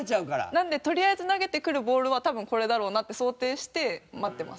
なのでとりあえず投げてくるボールは多分これだろうなって想定して待ってます。